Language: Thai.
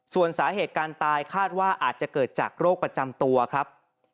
ส่วนสาเหตุการตายคาดว่าอาจจะเกิดจากโรคประจำตัวครับ